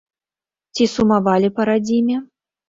Ці сумавалі па радзіме?